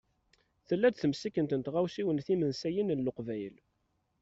Tella-d temsikent n tɣawsiwin timensayin n Leqbayel.